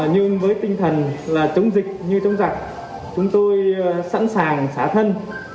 nhưng với tinh thần là chống dịch như chống giặc chúng tôi sẵn sàng xả thân